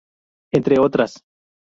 Entre otras